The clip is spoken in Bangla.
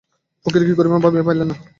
ফকির কী করিবেন ভাবিয়া পাইলেন না।